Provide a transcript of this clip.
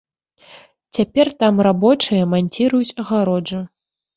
Цяпер там рабочыя манціруюць агароджу.